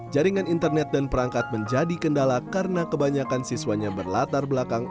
jaringan internet dan perangkat menjadi kendala karena kebanyakan siswanya berlatar belakang